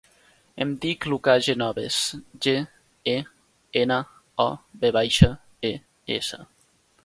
Em dic Lucà Genoves: ge, e, ena, o, ve baixa, e, essa.